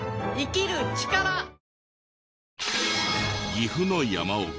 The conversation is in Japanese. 岐阜の山奥